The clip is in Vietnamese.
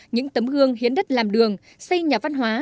những tấm gương hiến đất làm đường xây nhà văn hóa